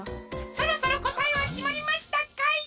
そろそろこたえはきまりましたかい？